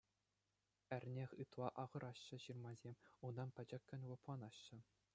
Эрне ытла ахӑраҫҫӗ ҫырмасем, унтан пӗчӗккӗн лӑпланаҫҫӗ.